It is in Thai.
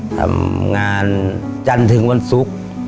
ทำงานจันทร์ถึงวันศุกร์